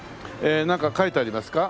なんか書いてありますか？